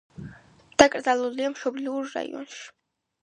დაკრძალულია მშობლიურ რაიონში.